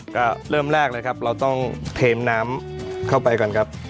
ก็เริ่มแรกเลยครับเราต้องเทมน้ำเข้าไปก่อนครับ